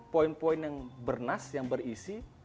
poin poin yang bernas yang berisi